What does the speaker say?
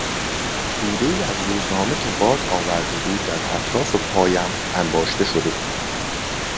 تودهای از روزنامه که باد آورده بود در اطراف پایم انباشته شده بود.